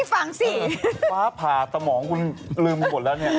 ฟ้าผ่าตมองคุณลืมมันหมดแล้วเนี่ย